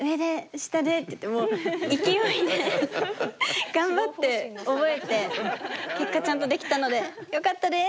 下で！」っていってもう勢いで頑張って覚えて結果ちゃんとできたのでよかったです。